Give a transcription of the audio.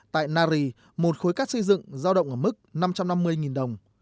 tại nari một khối cát xây dựng giao động ở mức năm trăm năm mươi đồng